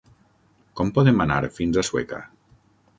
Com podem anar fins a Sueca?